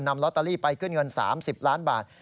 ลอตเตอรี่ไปขึ้นเงิน๓๐ล้านบาท